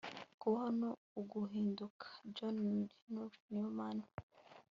kubaho ni uguhinduka. - john henry newman